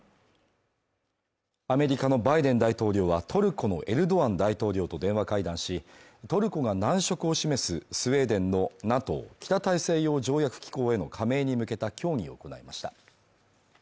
アメリカのバイデン大統領はトルコのエルドアン大統領と電話会談し、トルコが難色を示すスウェーデンのＮＡＴＯ＝北大西洋条約機構への加盟に向けた協議を行いました。